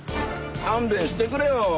勘弁してくれよ。